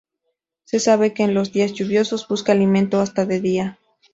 Se sabe que en los días lluviosos busca alimento hasta de día.